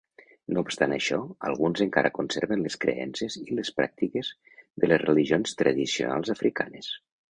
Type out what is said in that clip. No obstant això, alguns encara conserven les creences i les pràctiques de les religions tradicionals africanes.